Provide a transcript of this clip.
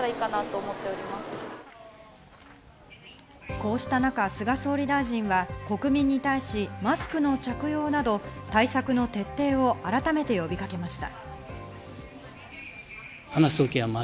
こうした中、菅総理大臣は国民に対しマスクの着用など対策の徹底を改めて呼びかけました。